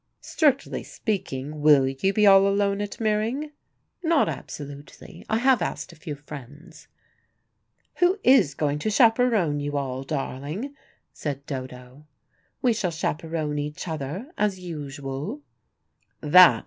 "Strictly speaking, will you be all alone at Meering?" "Not absolutely. I have asked a few friends." "Who is going to chaperone you all, darling?" said Dodo. "We shall chaperone each other, as usual."